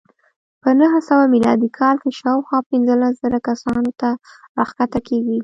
په نهه سوه میلادي کال کې شاوخوا پنځلس زره کسانو ته راښکته کېږي.